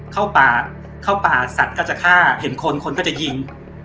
เข้าป่าเข้าป่าสัตว์ก็จะฆ่าเห็นคนคนก็จะยิง